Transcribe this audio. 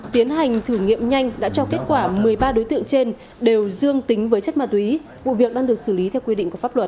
tiến hành thử nghiệm nhanh đã cho kết quả một mươi ba đối tượng trên đều dương tính với chất ma túy vụ việc đang được xử lý theo quy định của pháp luật